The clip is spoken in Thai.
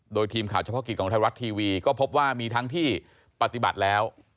โดยทีมข่าวเฉพาะกิจของไทยรัฐทีวีก็พบว่ามีทั้งที่ปฏิบัติแล้ว